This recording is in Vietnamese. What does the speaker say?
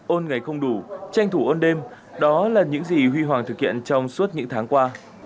ôn ngày không đủ tranh thủ ôn đêm đó là những gì huy hoàng thực hiện trong suốt những tháng qua